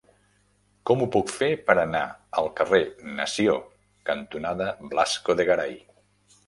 Com ho puc fer per anar al carrer Nació cantonada Blasco de Garay?